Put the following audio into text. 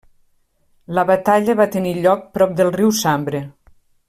La batalla va tenir lloc prop del riu Sambre.